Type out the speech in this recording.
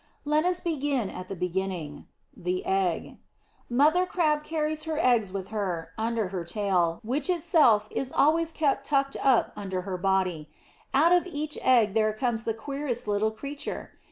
Let us begin at the beginning the egg. Mother Crab carries her eggs with her, under her tail, which itself is always kept tucked up under her body. Out of each egg there comes the queerest little creature!